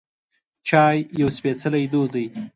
چای یو سپیڅلی دود دی.